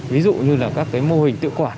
ví dụ như các mô hình tự quản